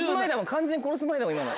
完全に殺す前だもん今の。